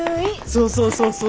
そうそうそうそうそう。